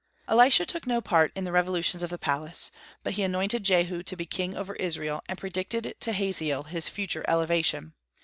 Elisha took no part in the revolutions of the palace, but he anointed Jehu to be king over Israel, and predicted to Hazael his future elevation.